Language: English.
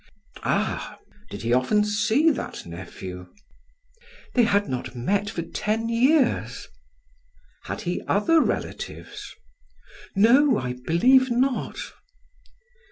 "Ah! Did he often see that nephew?" "They had not met for ten years." "Had he other relatives?" "No, I believe not."